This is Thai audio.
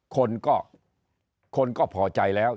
คนก็คนก็พอใจแล้ว